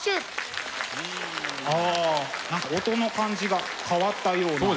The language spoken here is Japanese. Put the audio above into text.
何か音の感じが変わったような。